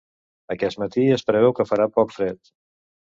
Aquest matí es preveu que farà poc fred.